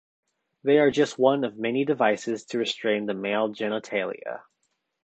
They are just one of many devices to restrain the male genitalia.